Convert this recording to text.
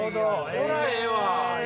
こらええわ。